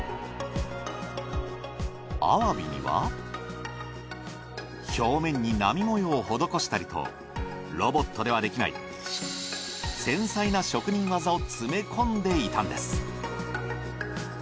アワビには表面に波模様を施したりとロボットではできない繊細な職人技を詰め込んでいたんです。